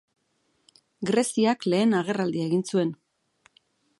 Greziak lehen agerraldia egin zuen.